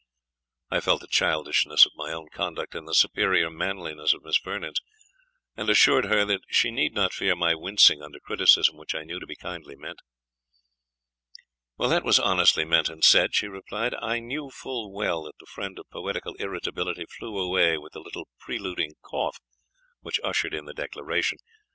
I felt the childishness of my own conduct, and the superior manliness of Miss Vernon's, and assured her, that she need not fear my wincing under criticism which I knew to be kindly meant. "That was honestly meant and said," she replied; "I knew full well that the fiend of poetical irritability flew away with the little preluding cough which ushered in the declaration.